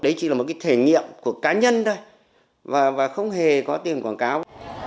đấy chỉ là một cái thể nghiệm của cá nhân thôi và không hề có tiền quảng cáo